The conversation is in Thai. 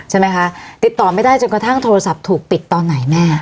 ใช่ไหมคะติดต่อไม่ได้จนกระทั่งโทรศัพท์ถูกปิดตอนไหนแม่